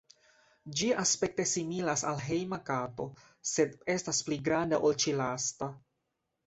Ĝi aspekte similas al hejma kato, sed estas pli granda ol ĉi-lasta.